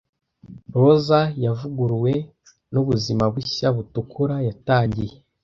Roza yavuguruwe nubuzima bushya butukura yatangiye,